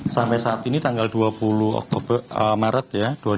sampai saat ini tanggal dua puluh maret dua ribu dua puluh empat